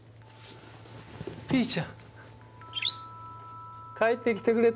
ピーちゃん帰ってきてくれたの？